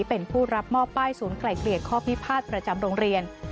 เป็นผู้รับมอบป้ายศูนย์ไกล่เกลี่ยข้อพิพาทประจำโรงเรียน